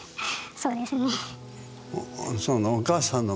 そうですね。